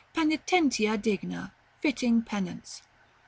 Penitentia digna. Fitting penance.